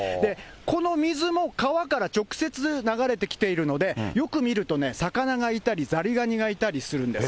この水も川から直接流れてきているので、よく見るとね、魚がいたり、ザリガニがいたりするんです。